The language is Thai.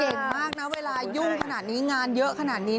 มากนะเวลายุ่งขนาดนี้งานเยอะขนาดนี้